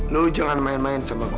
lo jangan main main sama gue